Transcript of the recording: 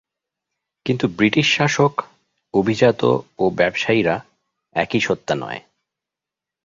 কিন্তু ব্রিটিশ শাসক অভিজাত ও ব্যবসায়ীরা একই সত্তা নয়।